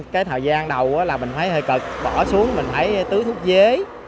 cái thời gian đầu là mình phải hơi cực bỏ xuống mình phải tứ thúc dế